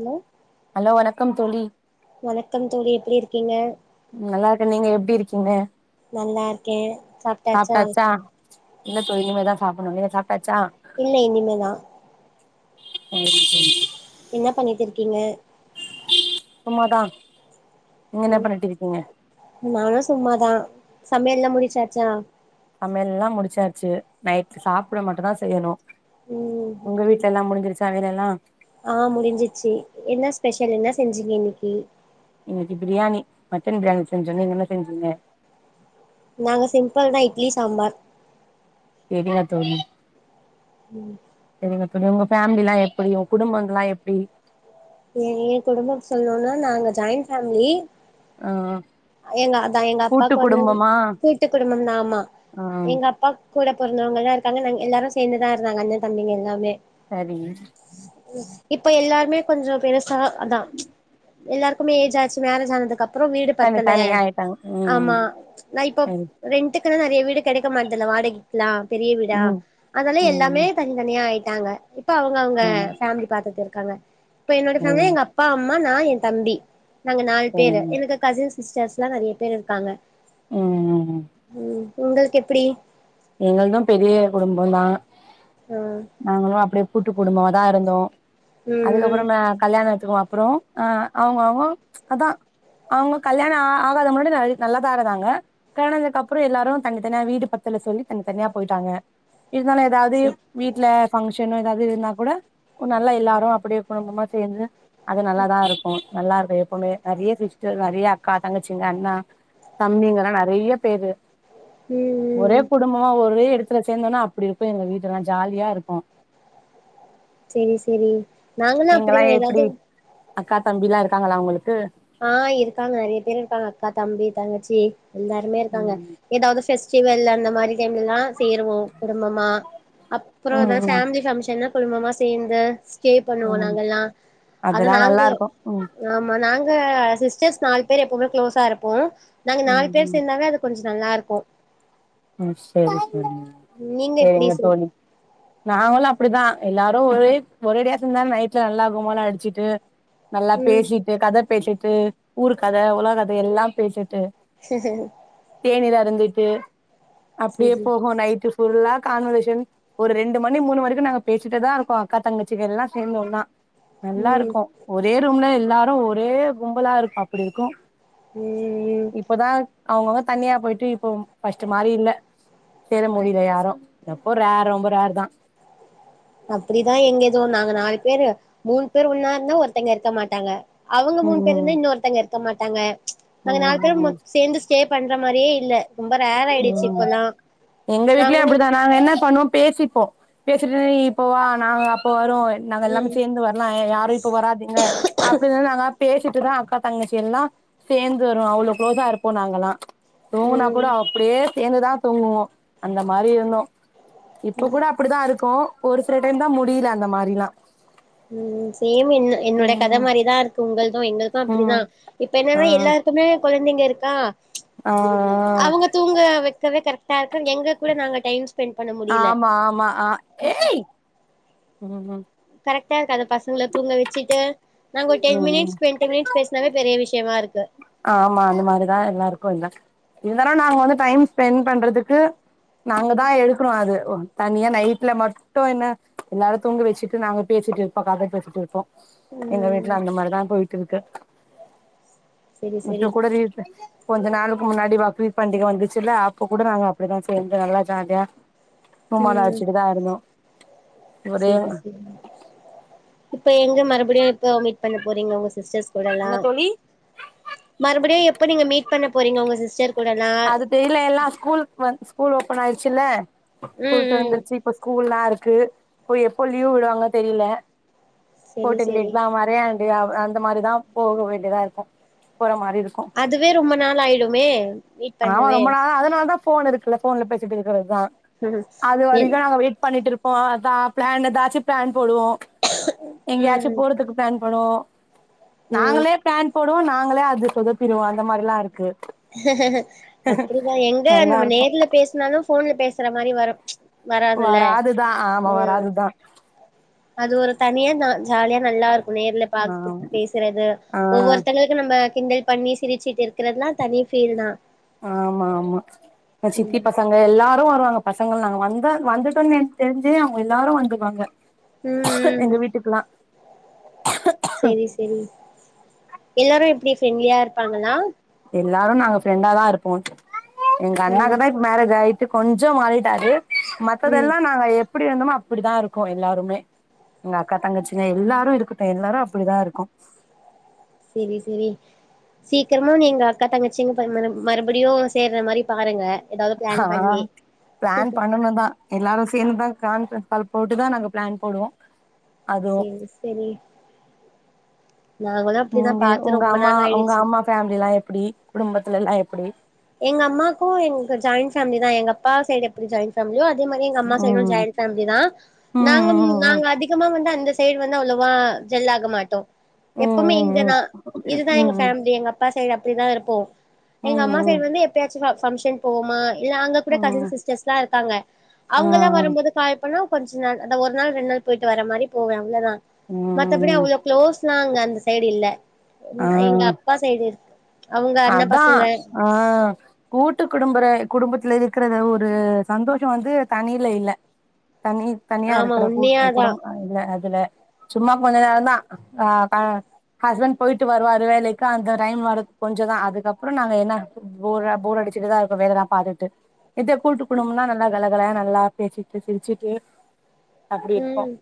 hello hello வணக் கம் தோழி வணக்கம் தோழி எப்டி இருக்கீங்க நல்லா இருக்கே நீங்க எப்டி நல்லா இரு கே சாப்டாச்சா இல் இனிமே தா சாப்ட்னு நீங் சாப் இல்ல இனிமேதா சரி சரி என்ன பண்ணீட்ருக்கீங்க சும்மா தா ம் நானு சும்மாதா சமையல் எல்லா முடிச்சாச்சா சமையல்லாம் முடிச்சாச்சு நைட் சாப்ட மட்டுதா செய்யணு ம் உங்க வீட்டு்ல எல்லா முடிஞ்சிருச் சமயலல்லா ஆ முடிஞ்சிச்சு என்ன ஸ்பெஷல் என்ன செஞ்சீங்க இன்னக்கு இன்னக்கு பிரியாணி மட்டன் பிரியாணி செஞ்சோமே நீங்க என்ன செஞ்சீங்க நாங்க சிம்பிள் தா இட்லி சாம்பார் டியா தோழி சரிங்க சரிங்க ஃபேமிலிலா எப்டி குடும்பங்கள்லா எப்டி ஏ ஏ குடும்ப சொல்லணும்னா நாங்க ஜாயின் ஃபேமிலி ஆஹ் எங்கா அதா எங்க அப்பாக்கு ஒந்து கூட்டு குடும்பம் தா ஆமா ஆ எங்க அப்பா கூட பொறந்தவங்கள்ளா இருக்காங்க நாங்க எல்லாரு சேந்துதா இருந்தாங்க அண்ண தம்பிங்க எல்லாமே சரி இப்ப எல்லாருமே கொஞ்சோ பெருசா அதா எல்லாருக்குமே ஏஜ் ஆச்சு மேரேஜ் ஆனதுக்கப்றோ வீடு தனி ல தனியா ஆயிட்டாங்க ம் ஆமா ம் நா இப்ப சரி ரென்ட்டுக் நிறைய வீடு கெடைக்க மாட்டதுல வாடகைக்குலா பெரிய விடா அதனால ம் எல்லாமே ம் தனித்தனியா ஆயி ட்டாங்க இப்ப அவங்க அவங்க ம் ஃபேமிலிய பாத்துட்டு கலர் இப்ப என்னோட சரி சந்தேகம் எங்க அப்பா அம் அம்மா நான் என் தம்பி நாங்க நாலு பேரு சரிங்க எனக்கு கசின்ஸ் சிஸ்டர்ஸ்லாம் நிறைய பேர் இருக்காங்க ம் உம் உங்களுக்கு எப்படி எங்கள்தும் பெரிய குடும்பம் தான் ஆ நாங்களு அப்படி கூட்டு குடும்பமாதா இருந்தோம் அதுக்கு ம் ம் அப்புறம்மே கல்யாணத்துக்கு அப்புறம் அவங்க அவங்க அதா அவங்க கல்யாணம் ஆ ஆகாத முன்னாடி நல்லதா இருதாங்க கல்யாணத்துக்கப்புறம் எல்லாரும் தனித்தனியா வீடு பத்தல சொல்லி தனி தனியா போயிட்டாங்க இருந்தாலும் ஏதாவது செ வீட்ல ஃபங்க்ஷனும் ஏதாவது இருந்தா கூட ஒரு நல்லா எல்லாரும் அப்படியே குடும்பமா சேர்ந்து அது நல்லாதா இருக்கும் நல்லா இருக்கும் எப்பவுமே நிறைய சிஸ்டர் நிறைய அக்கா தங்கச்சிங்க அண்ணா தம்பிங்க எல்லாம் நிறைய பேரு ம் ஒரே ம் குடும்பமா ஒரே எடத்துல சேந்தோனா அப்பிடி இருக்கு எங்க வீடு எல்லா ஜாலியா இருக்கு செரி செரி நாங்களு நீங்கல்லா அப்பிடிதா எப்டி எதாவுது அக்கா தம்பிலா இருக்காங்களா உங்களுக்கு ஆ இருக்காங்க நெறைய பேரு இருக்காங்க அக்கா தம்பி தங்கச்சி எல்லாருமே இருக்காங்க ம் எதாவுது ஃபெஸ் டிவல் அந்த மாரி டைம்லெலா சேருவோ குடும்பமா அப்ற ம் எதா ம் ஃபேமிலி பங்க்ஷன்னா குடும்பமா சேந்து ஸ்டே பண்ணுவோ ம் நாங்கெல்லா அத அதெல்லா நாங்க நல்லா இருக்கு ம் ஆமா நாங் க சிஸ்டர்ஸ் நாலு பேர் எப்பவுமே க்ளோஸா இருப்போ நாங்க நாலு ம் பேர் ம் சேந்தாவே அது கொஞ்ச நல்லாருக்கு ம் செரி செரிங்க நீங்க எப்டி செரிங்க சி தோழி நாங்களு அப்டிதா எல்லாரு ஒரே ஒரேடியா சேந்தா நைட்ல நல்லா எப்பவு போல அடிச்சிட்டு நல்லா ம் பேசிட்டு கத பேசிட்டு ஊர் கத உலக கத எல்லா பேசிட்டு தேனீலா அருந்துட்டு அப்டியே செரி போகு நைட்டு புல்லா கான்வர்சேஷன் ஒரு ரெண்டு மணி மூணு வரைக்கு நாங்க பேசிட்டுதா இருக்கோ அக்கா தங்கச்சிகலா சேந்து ஒன்னா ம் நல்லாருக்கு ஒரே ரூம்ல எல்லா ம் ஒரே கும்பலா இருப்போ அப்டி இருக்கு ம் ம் இப்பதா அவங்க அவங்க தணியா பொயிட்டு இப்போ பஸ்ட்டு இல்ல சேர முடில யாரு எப்போ ரேரு ரொம்ப ரேர் தா அப்டிதா எங்க [unintelligible] நாங்க நாலு பேரு மூன் பேர் ஒன்னா இருந்தோ ஒர்தெங்க இருக்க மாட்டாங்க அவங்க மூணு பேரு ம் [unintelligible] இன்னொ ஒருத்தங்க க்க மாட்டாங்க ம்ச் நாங்க நாலு பேருமொ ம் சேந்து ஸ்டே பண்ற மாரியே இல்ல ரொம்ப ரேர் ஆயிடுச்சு ம் இப்பல்லா எங்க வீட்லியு நாங்களு அப்டிதா நாங்க என்னா பண்ணுவோ பேசிப்போ பேசிட்டு நீ இப்ப வா நாங்க அப்போ வ நாங்க எல்லாமே ம் சேந்து வர்லா எ யாரு இப்ப வராதிங்க அப்டினு நாங்களா பேசி ட்டு தா அக்கா தங்கச்சி எல்லா சேந்து வருவோ அவ்ளோ க்ளோஸா இருப்போ நாங்கெல்லா தூங்னாப் ம் கூட அப்படியே சேந்துதா தூங்குவோ அந்த மாரி இருந்தோ இப்ப கூட அப்படிதா இருக்கோ ஒரு சில டைம் தா முடில அந்த மாரிலா ம் ம் சேம் என் என்னோட கத ம் மாரிதா இருக்கு உங்கள்து எங்கள்கு அப்டிதா ம் இப்ப ஆ என்னென்னா எல்லாருக்குமே கொழந்தைங்க இருக் கா ஆ ஆ ம்ச் அவேங்க தூங்க வெக்கவே கரெக் டா இருக்கு எங்க கூட நாங்க டைம் ஸ் ஆமா ஆமா அ ஏய் ம் ம் கரெக்டா இருக்கு அத பசங்கள தூங்க வெச்சுட்டு நாங்க ஒரு டென் ம் ம் மினிட்ஸ் ட்வெண்டி மினிட்ஸ் பேஸ்னாவே பெரிய விஷியமா இருக் ஆமா அந்த மாரிதா எல்லாருக்கு இங்க இருந்தாலு நாங்க வந்து டைம் ஸ்பெண்ட் பண்றதுக்கு நாங்க தா எடுக்ணு அது ஓ தனியா நைட்ல மட்டு என்ன எல்லாரு தூங்க வச்சுட்டு நாங்க பேஸிட்டு இருப்போ கத பேஸிட்டு இருப்போ எங்க ம் வீட்ல அந்த மாரிதா போயி இருக்க செரி செரி இப்ப கூட ரீல்ஸ் கொஞ்ச நாள்கு முன்னாடி பக்ரீத் பண்டிக வந்துச்சுல அப்ப கூட நாங்க அப்டித்தா சேர்ந்து நல்லா ஜாலியா கும்மாளோ உம் அடிச்சுட்டுதா இருந்தோ ஒரே செரி செரி இப்ப எங்க மரு படி எப்பொ மீட் பண்ண போறிங்க உங்க சிஸ்டர்ஸ் கூடலா என்ன தோழி மறுப்டியு எப் எப்ப நீங்க மீட் பண்ண போறீங்க உங்க சிஸ்டர் கூடலா அது தெரில எல்லா ஸ்கூல் வ ஸ்கூல் ஓபன் ஆயிரு சில்ல ம் ஸ்கூல் ம் தொரந்துருச்சு இப்ப ஸ்கூல்லா இருக் க்கு போய் எப்ப லீவ் வுட்ராங்க தெரில செரி ஹாட்டலி செரி லீவ் அவ அரையாண்டு அந்த மாரிதா போக வேண்டியதா இருக்கு போற ம அதுவே ரொம்ப நாளாயிடுமே ஆமா ரொம்ப நாளா அதனா அதா ஃபோன் இருக்குல போன்ல பேசிட் இருக்கிறதா அது என் வரிக்கு நாங்க வெயிட் பண்ணிட்டு இருப் ஓ தா ப்ளான் எதாச்சி பிளான் போடுவோ எங்கயாச்சு ம் போறதுக்கு பிளான் பண்ணுவோ ம் நாங்களே ப்ளேன் போ டுவோ நாங்களே அத சொதப்பிருவோ அந்த மாரிலா இருக்கு அப்படிதா எங்க நல்லா நம்ம இருக்கு நேர்ல பேசுனாலு ஃபோன்ல பேசற மாரி வரு வராதுல்ல வராதுதா ஆமா உம் வராதுதா அது ஒரு தனியா தா ஜாலியா நல்லா இருக்கு நேர்ல பாத்து ஆமா பேசுறது ஆ ஒவ்வொருத்தங்களுக்கு நம்ம கிண்டல் பண்ணி சிரிச்சிட்டு இருக்குறதுலா தனி ஃபீல்தா ஆமா ஆமா ப சித்தி ம் பசங்க எல்லாரு வருவாங்க பசங்க நாங்க வந்த வந்துட்டோன்னு தெர்ஞ்சு அவுங்க எல்லாரு வந்துர்வாங்க ம் ம் எங்க வீட்டுக்குல்லா செரி செரி எல்லாரு எப்டி ப்ரண்ட்லியா இருப்பாங்களா எல்லாரு நாங்க ஃப்ரெண்டாதா இருப்போ எங்க ம் அண்ணாக்குதா இப்போ மேரேஜ் ஆய் கொஞ்ச மாறிட்டாரு ம் மத்ததெல்லா நாங்க எ எப்படி இருந்தோமோ அப்படித்தா இருக்கோ எல்லாருமே எங்க அக்கா தங்கச்சிங்க எல்லாரு இருக்கட்டு எல்லாரு அப்டிதா இருக்கோ சரி செரி சீக்கிரமா நீ எங்க அக்கா தங்கச்சிங் ம மறு மறுபடியு சேர்ற மாரி பாருங்க ஏதாவது ஆ பிளான் பண்ணி பிளான் பண்ணணுதா எல்லாரும் சேந்துதா கான்பரன்ஸ் கால் போட்டுதா நாங்க பிளான் போடுவோ அதுவு செரி செரி நாங்களு அப்டிதா நீங்க பாத்து உங்க ரொம்ப அம்மா நாள் உங்க ஆயிடுச்சு அம்மா ஃபேமிலி எல்லா எப்பிடி குடும்பத்த இதெல்லா எப்பிடி எங்க அம்மாக்கு எங்க ஜாயிண்ட் பேமிலி தா எங்க அப்பா சைடு எப்பிடி ஜாயிண்ட் ஃபேமிலியோ அதே மாரி எங்க ம் அம்மா சைடு ம் ஜாயின்ட் ஃபேமிலிதா ம் நா ம் நாங்க அதிகமா வந்து அந்த சைடு வந்து அவ்ளோவா ஜெல்லாக மாட்டோ ம் எப்பவுமே ம் இங்கதா ம் இதுதா எங்க ம் ஃபேமிலி எங்க அப்பா சைடு அப் அப்படி தா இருப்போ ம் சைடு வந்து எப்பயாச்சு ஃபங்சன் போவமா இல்ல அங்க கூட ம் கசின் ம் சிஸ்டர்ஸ் எல்லா இருக்காங்க ஆ அவங்க எல்லா வரும்போது கால் பன்னா கொஞ்ச நாள் அத ஒரு நாள் ரெண்டு நாள் போயிட்டு வர மாரி போவே அவ்வளதா மத்தபடி ம் அவ்ளோ குளோஸ்லா அங்க அந்த சைடு இல்ல ஆ ம் எங்க அப்பா சைடு அவங்க அண்ண அதா பசங்க ஆ கூட்டு குடும்பர குடும்பத்துல இருக்கிறத ஒரு சந்தோஷோ வந்து தனியில இல்ல தனி தனியா ஆமா இருக்கிற கு உண்மையாதா குடும்போ இல்ல அதுல சும்மா கொஞ்ச நேரோ தா ஆ க ஹஸ்பண்ட் போயிட்டு வருவாரு வேலைக்கு அந்த டைம் வரு கொஞ்சதா அதுக்கப்புறோ நாங்க என்ன போ போர் அடிச்சுட்டுதா இருக்கு வேலதா பாத்துட்டு இதை கூட்டுக்கணும்னா நல்ல கல [unintelligible] நல்லா பேசிட்டு சிரிச்சிட்டு அப்டி இருக்கு உம்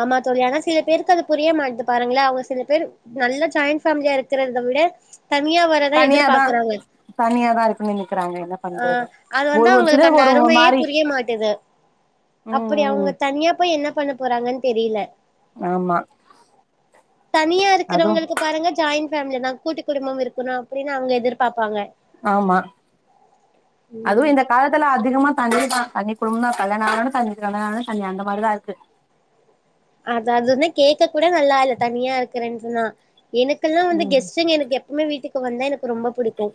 ஆமா தோழி ஆனா சில பேருக்கு அது புரிய மாட்டே பாருங்களே அவங்க சில பேரு நல்ல ஜாயிண்ட்டு பேஃமிலியா இருக்கிறத விட தனியா வரதா தனியாதா எதிர்பாக்குறாங்க தனியாதா இருக்குன்னு நெனைக்கிறாங்க என்ன ஆ பண்றது அது வந்து ஒரு ஒரு அவங்களுக்கு சிலர் அந்த ஒரு ஒரு அருமையே மாரி புரிய மாட்டுது அப்படி அவங்க ம் தனியா போய் என்ன பண் ண போறாங்கன்னு தெரியில ஆமா தனியா அதுவு இருக்கிறவங்களுக்கு பாருங்க ஜாயின் ஃபேமிலினா கூட்டு குடும்பம் இருக்கணு அப்டின்னு அவங்க எதிர்பார்ப்பாங்க ஆமா அதுவு ம் இந்த காலத்துல அதிகமா தனி தா தனி குடும்பம்னா கல்யாண அணவுனே [unintelligible] அந்த மாரி தா இருக்கு அது அதுனா கேக் கூட நல்லா இல்ல தனியா இருக்கிறே சொன்னா எனக்கெல்லா வந்து ம் கெஸ்ட்ங்க எப் இனிமே வீட்டுக்கு வந்தா எனக் ரொம்ப புடிக்கும்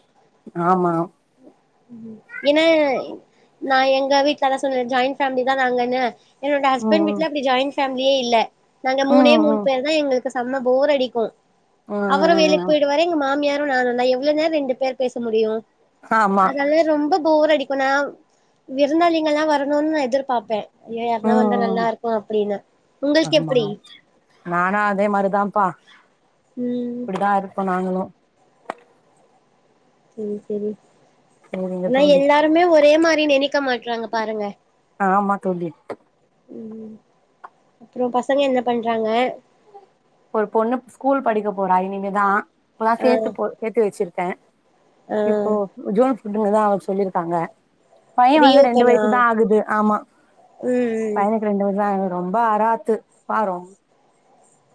ஆமா ஏன்ன நா எங்க வீட் அதா சொன்னேன்ல ஜாயிண்ட் ஃபேமிலிதா நாங்கனு என்னோட ஹஸ்பண்ட் ம் வீட்ல அப்டி ஜாயின் ஃபேம்லியே இல்ல நாங்க மூனே ம் மூணு ம் பேருதா எங்களுக் செம்ம ஃபோர் அடிக்கும் அவரு வேலைக்கு ம் போயிடுவாரு எங்க மாமியார் நானுந்தா எவ்ளோ நேரோ ரெண்டு பேர் பேச முடியும் ஆமா அதனால ரொம்ப ஃபோர் அடிக்குனா விருந்தாளிங்க எல்லா வரணுன்னு நா எதிர்பாப்பே ஏ யாருனா வந்தா ம் நல்லா இருக்கும் அப்டின்னு உங்களுக்கு ஆமா எப்டி நானு அதே மாரிதாம்பா ம் இப்டிதா இருக்கோ நாங்களு சேரி சேரி சேரிங்க ஆனா தோழி எல்லாருமே ஒரே மாரி நெனைக்க மாட்டறாங்க பாருங்க ஆமா தோழி உம் அப்றோ பசங்க என்ன பண்றாங்க ஒரு பொண்ணு ஸ்கூல் படிக்க போறா இனிமேதா இப்பதா ஆ சேத்து போ சேத்து வச்சிருக்கே ஆ இப்போ ஜூன்த் விடுங்கதா அவுங்க சொல்லியிருக்காங்க பையே ரீ வந்து ரெண்டு ஓப்பனா வயசுதா ஆகுது ஆமா ம் பையனுக்கு ரெண்டு வயசுதா ஆகுது ரொம்ப அராத்து பாரும்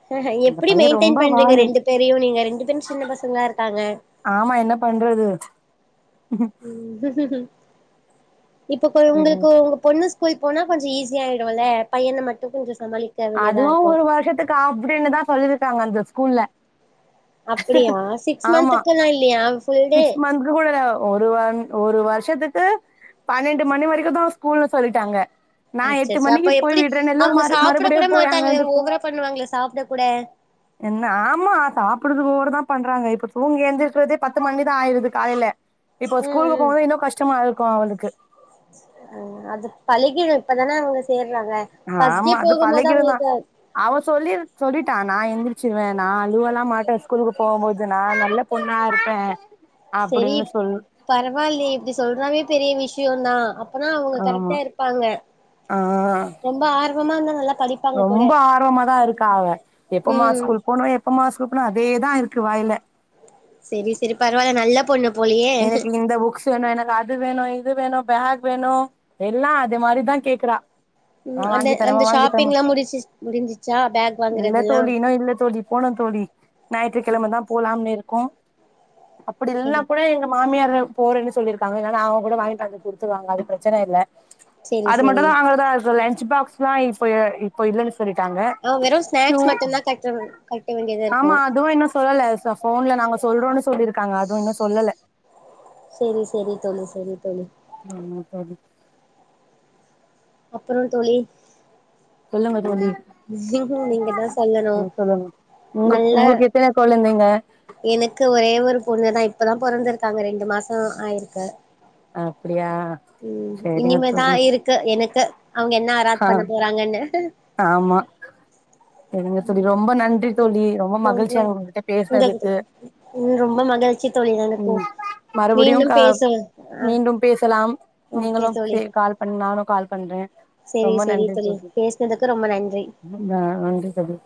ஹா ஹா எப்டி மெயின்டெயின் பண்றீங்க வாலு ரெண்டு பேரையு நீங்க ரெண்டு பேரும் சின்ன பசங்களா இருக்காங்க ஆமா என்ன பண்றது உம் இப்ப கொ ம் உங்களுக்கு உங்க பொண்ணு ஸ்கூல் போனா கொஞ்சோ ஈஸியா ஆயிடுல்ல பையன மட்டு கொஞ்சோ சமாளிக்க வேண்டியதா அதுவும் இருக்கு ஒரு வருஷத்துக்கு அப்படின்னுதா சொல்லியிருக்காங்க அந்த ஸ்கூல்ல அப்டியா சிக்ஸ் ஆமா மந்த்துக்குல்லா இல்லையா ஃபுல் டே சிக்ஸ் மந்த் கூட இல்ல ஒரு வாரோ ஒரு வருஷ் வருஷத்துக்கு பன்னெண்டு மணி வரைக்குந்தா ஸ்கூல்னு சொல்லிட்டாங்க நா எட்டு மணிக்கு போய் விடுறேன்ல மறு மறுபடியு போய் அங்க மாட்டாங்கள இருந்து கூ ஓவரா பண்ணுவாங்கலே சாப்ட கூட என்ன ஆமா சாப்புட்றதுக்கு ஓவரா தா பண்றாங்க இப்ப தூங்கி எந்திரிக்குறதே பத்து மணிதா ஆயிருது காலைல இப்போ ம் ஸ்கூலுக்கு போனது இன்னு கஷ்டமா இருக் கோவோ அவுலுக்கு அ அது‌ பழகிடு இப்ப தானே அவுங்க ஆமா அது பழகிறு தா அவங்களுக்கு அவே சொல்லி சொல்லிட்டா நா எந்திரி சிருவே நா அழுவல்லா மாட்டே ஸ்கூலுக்கு போம்போது நா நல்ல பொண்ணா இருப்பே சேரி பரவால்லியே இப்டி சொல்றதே பெரிய விஷயோ தா ஆமா ஆ ரொம்ப ஆர்வமா இருந்தா நல்லா படிப்பாங்க கூட ரொம்போ ஆர்வமா தா இருக்கா அவ எப்பமா ம் ஸ்கூலுக் போனோ எப்பமா ஸ்கூலுக் போனு அதே தா இருக்கு வாயில சேரி சேரி பரவால்ல நல்ல பொண்ணு போலயே எனக்கு இந்த புக்ஸ் வேணு எனக்கு அது வேணு இது வேணு பேக் வேணு எல்லா அது மாரி தா கேக்குறா ம் ஆ அந்த வாங்கி தரமா அந்த வாங்கி தரமா ஷாப்பிங்லா முடிச்சு முடிஞ்சிச்சா பேக் இல்ல வாங்குறதெல்லா தோழி இன்னு இல்ல தோழி போனும் கோழி ஞாயிற்றுக்கிழம தா போலாம்னு இருக்கோ அப்டி ம் ‌ இல்லம் மாமியாரே போறேன்னு சொல்லியிருக்காங்க அவுங்க கூட வாங்கிட்டு வந்து குடுத்துடுவாங்க அது பிரச்சன இல்ல செரி அது மட்டு செரி தா வாங்கறதா இருக்கோ லன்ச் பாக்ஸ் ஸ்மைல் இப்ப இப்ப இல்லனு சொல்லிட்டாங்க அவ வெறு ஷூ ஸ்நாக்ஸ் மட்டுந்தா கட்ட கட்ட வேண்டியதா இருக்கு ஆமா அதுவு இன்னு சொல்லல ஃபோன்ல நாங்க சொல்றோம்னு சொல்லிருக்காங்க அதுவு இன்னு சொ இல்ல சேரி சேரி தோழி சேரி தோழி ஆமா தோழி அப்றோ தோழி எல்லா [inaudible] [unintelligible] நீங்க தா சொல்லணு சொல்லுங்க உங்க நல்லா உங்களுக்கு எத்தன கொழந்தைங்க எனக்கு ஒரே ஒரு பொண்ணதா இப்பதா பொறந்திருக்காங்க ரெண்டு மாசோ ஆயிருக்கு அப்படியா உம் சரிங்க இனிமேதா தோழி இருக்கு எனக்கு அவுங்க என் என்ன அராத் ஆ பண்ண போறாங்கன்னு ஆமா எங்க தோழி ரொம்ப நன்றி தோழி ரொம்ப மகிழ்ச்சியா உங்க கிட்ட உங்ககிட்ட பேசுனதுக்கு ம் ரொம்ப மகிழ்ச்சி தோழி எனக்கு உம் மறுபடியும் மீண்டும் க பேச ஆ மீண்டும் பேசலாம் ஓகே நீங்களும் சே தோழி கால் பண்ண நானும் கால் பண்றே செரி ரொம்ப செரி நன்றி தோழி பேசினதுக்கு ரொம்ப நன்றி நன்றி தோழி